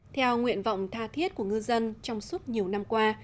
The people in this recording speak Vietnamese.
theo nguyện vọng tha thiết của ngư dân trong suốt nhiều năm qua